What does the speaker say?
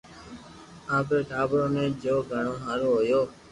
آپري ٽاٻرو ني جوگھڻو ھآرون ھويو